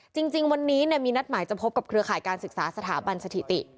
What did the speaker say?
จริงวันนี้มีนัดหมายจะพบกับเครือข่ายการศึกษาสถาบันสถิติ